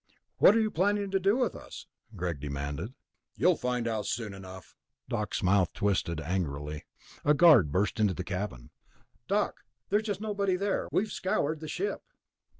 "What are you planning to do with us?" Greg demanded. "You'll find out soon enough." Doc's mouth twisted angrily. A guard burst into the cabin. "Doc, there's just nobody there! We've scoured the ship."